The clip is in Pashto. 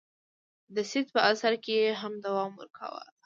د سید په عصر کې یې هم دوام ورکاوه.